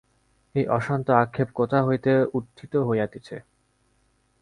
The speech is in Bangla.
এই অশান্ত আক্ষেপ কোথা হইতে উত্থিত হইতেছে।